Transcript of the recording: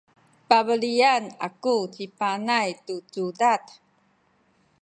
pabelian aku ci Panay tu cudad.